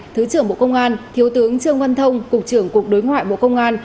thứ trưởng bộ công an thiếu tướng trương văn thông cục trưởng cục đối ngoại bộ công an